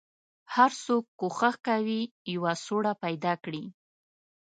هر څوک کوښښ کوي یوه سوړه پیدا کړي.